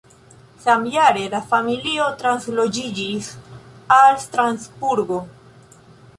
Samjare la familio transloĝiĝis al Strasburgo.